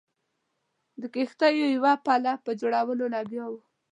د کښتیو د یوه پله په جوړولو لګیا وو.